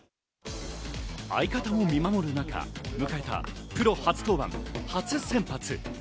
相方も見守る中、迎えたプロ初登板、初先発。